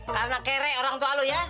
karena kere orang tua lo ya